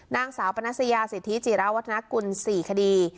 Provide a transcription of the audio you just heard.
นางสาวปนัสยาสิทธิจิระวัฒนากุล๔คดี